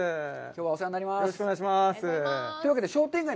きょうはお世話になります。